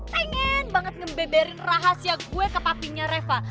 pengen banget ngebeberin rahasia gue ke papinya reva